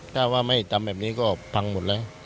ถ้าว่าไม่ทำแบบนี้ก็พังหมดแล้ว